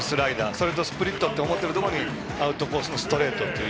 それとスプリットと思っているところにアウトコースのストレートという。